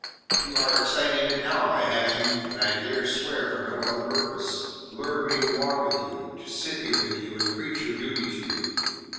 You are exciting it now by having and I dare swear for no other purpose lured me to walk with you, to sit here with you and preach your duty to you.